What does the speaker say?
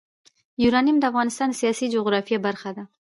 یورانیم د افغانستان د سیاسي جغرافیه برخه ده.